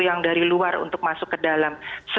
yang dari luar untuk masuk ke dalam